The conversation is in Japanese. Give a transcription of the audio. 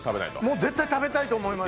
絶対食べたいと思います。